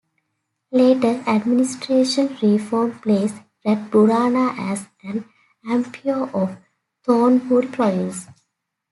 Later administration reform placed Rat Burana as an amphoe of Thonburi province.